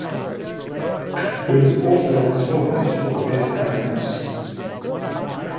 He was also notorious for his arrogance.